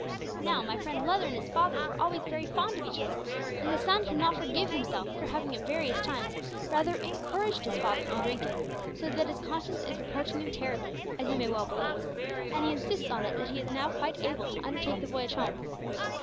Now, my friend Leather and his father were always very fond of each other, and the son cannot forgive himself for having at various times rather encouraged his father in drinking, so that his conscience is reproaching him terribly, as you may well believe, and he insists on it that he is now quite able to undertake the voyage home.